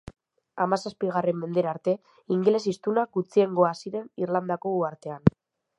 Hamazazpigarren mendera arte ingeles hiztunak gutxiengoa ziren Irlandako uhartean.